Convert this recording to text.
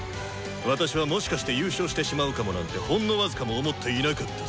私はもしかして優勝してしまうかもなんてほんの僅かも思っていなかったぞ！